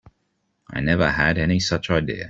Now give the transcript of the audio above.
I never had any such idea.